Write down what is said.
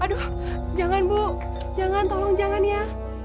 aduh jangan bu jangan tolong jangan ya